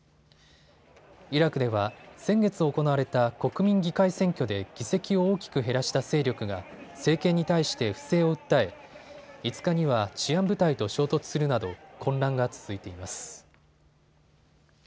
イラクでは先月行われた国民議会選挙で議席を大きく減らした勢力が政権に対して不正を訴え５日には治安部隊と衝突するなど混乱が続いています。